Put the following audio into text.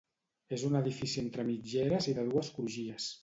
És un edifici entre mitgeres i de dues crugies.